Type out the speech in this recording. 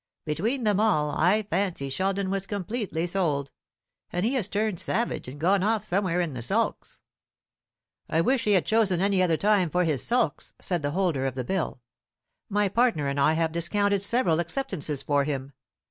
Between them all, I fancy Sheldon was completely sold; and he has turned savage and gone off somewhere in the sulks." "I wish he had chosen any other time for his sulks," said the holder of the bill; "my partner and I have discounted several acceptances for him.